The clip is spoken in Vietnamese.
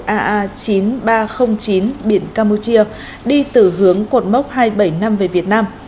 aa chín nghìn ba trăm linh chín biển campuchia đi từ hướng cột mốc hai trăm bảy mươi năm về việt nam